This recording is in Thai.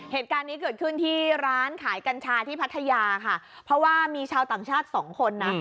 เหตุการณ์นี้เกิดขึ้นที่ร้านขายกัญชาที่พัทยาค่ะเพราะว่ามีชาวต่างชาติสองคนนะ